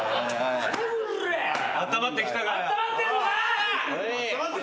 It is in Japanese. あったまってきたか？